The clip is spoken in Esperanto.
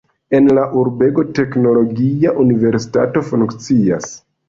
En la urbego teknologia universitato funkcias.